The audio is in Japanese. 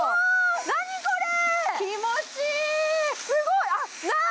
すごい！何？